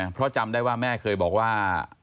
เพราะจำได้ว่าแม่เคยบอกว่า